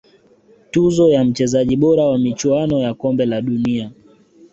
tuzo ya mchezaji bora wa michuano ya kombe la dunia